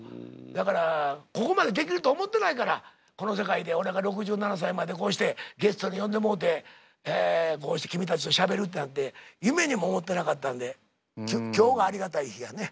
だからここまでできると思ってないからこの世界で俺が６７歳までこうしてゲストに呼んでもうてこうして君たちとしゃべるってなんて夢にも思ってなかったんで今日がありがたい日やね。